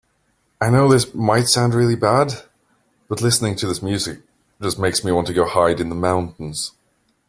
I know this might sound really bad, but listening to this music just makes me want to go hide in the mountains.